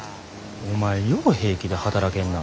お前よう平気で働けんな。